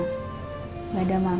nggak ada mami